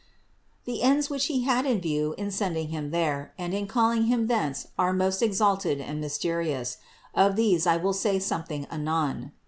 The ends which He had in view in send ing Him there and in calling Him thence are most ex alted and mysterious : of these I will say something anon.